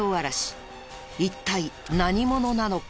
一体何者なのか？